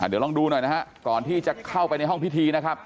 เดี๋ยวลองดูหน่อยนะฮะก่อนที่จะเข้าไปในห้องพิธีนะครับ